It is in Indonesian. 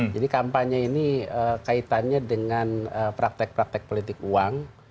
jadi kampanye ini kaitannya dengan praktek praktek politik uang